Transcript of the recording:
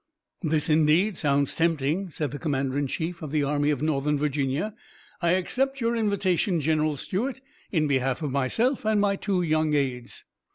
"This indeed sounds tempting," said the commander in chief of the Army of Northern Virginia. "I accept your invitation, General Stuart, in behalf of myself and my two young aides."